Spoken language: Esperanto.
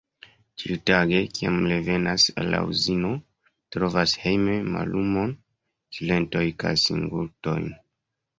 Ĉiutage, kiam mi revenas el la Uzino, mi trovas hejme mallumon, silenton kaj singultojn.